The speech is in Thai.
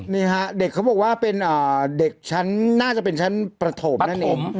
นี่ฮะเด็กเขาบอกว่าเป็นเด็กชั้นน่าจะเป็นชั้นประถมนั่นเอง